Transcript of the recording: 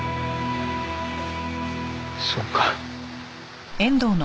そうか。